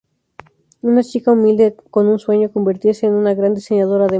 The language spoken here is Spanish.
Una chica humilde con un sueño: convertirse en una gran diseñadora de moda.